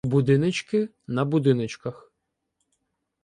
Будиночки – на будиночках